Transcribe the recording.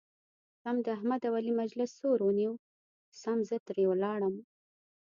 سم د احمد او علي مجلس سور ونیو سم زه ترې ولاړم.